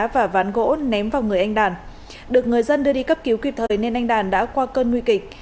và ván gỗ ném vào người anh đàn được người dân đưa đi cấp cứu kịp thời nên anh đàn đã qua cơn nguy kịch